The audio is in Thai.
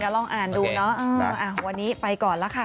ลองอ่านดูเนาะวันนี้ไปก่อนแล้วค่ะ